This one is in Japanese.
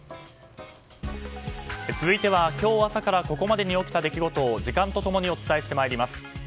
続いては今日からここまでに起きた出来事を時間と共にお伝えして参ります。